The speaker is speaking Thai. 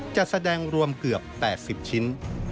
จัดแสดงรวมเกือบ๘๐ชิ้น